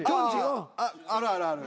あるあるある。